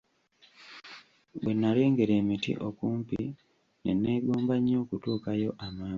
Bwe nalengera emiti okumpi, ne neegomba nnyo okutuukayo amangu